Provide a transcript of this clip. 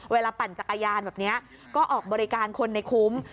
ปั่นจักรยานแบบนี้ก็ออกบริการคนในคุ้ม